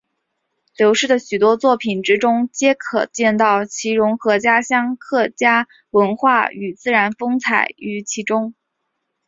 刘氏的许多作品之中皆可见到其融合家乡客家文化与自然风采于其中。